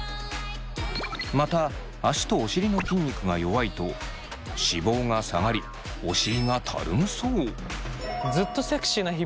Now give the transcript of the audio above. また足とお尻の筋肉が弱いと脂肪が下がりお尻がたるむそう。